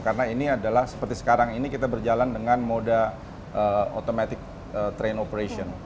karena ini adalah seperti sekarang ini kita berjalan dengan mode automatic train operation